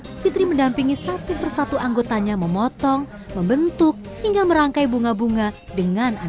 dengan sabar fitri mendampingi satu persatu anggotanya memotong membentuk hingga merangkai bunga bunga dengan aneka warna